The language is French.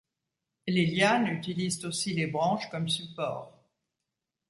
Les lianes utilisent aussi les branches comme support.